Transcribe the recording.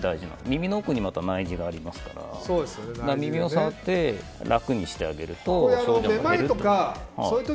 耳の奥にまた内耳がありますから耳を触って楽にしてあげると多少は頭痛が減るという。